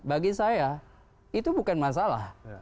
bagi saya itu bukan masalah